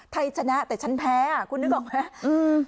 ไทยชนะแต่ฉันแพ้คุณนึกออกไหม